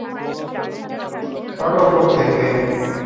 সর উপর থেকে।